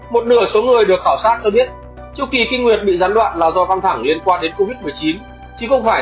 một nghiên cứu gần đây được công bố